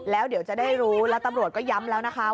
แล้วเดี๋ยวจะได้รู้แล้วตำรวจก็ย้ำแล้วนะคะ